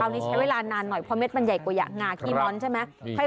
อันนี้ใช้เวลานานหน่อยเพราะเม็ดมันใหญ่กว่าอย่างงาขี้ม้อนใช่ไหม